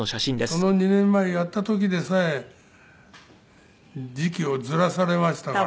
その２年前にやった時でさえ時期をずらされましたから。